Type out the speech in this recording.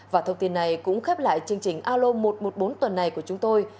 và thông tin này cũng khép lại chương trình alo một trăm một mươi bốn tuần này của chúng tôi